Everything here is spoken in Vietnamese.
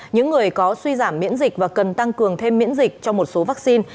những người có suy giảm miễn dịch và cần tăng cường thêm miễn dịch cho một số vaccine